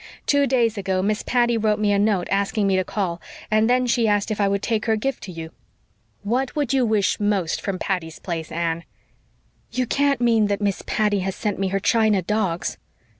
Two days ago Miss Patty wrote me a note asking me to call; and then she asked if I would take her gift to you. What would you wish most from Patty's Place, Anne?" "You can't mean that Miss Patty has sent me her china dogs?"